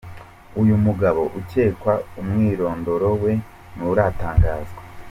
Uyu mugabo ucyekwa, umwirondoro we nturatangazwa.